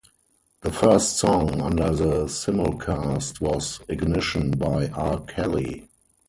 The first song under the simulcast was "Ignition" by R. Kelly.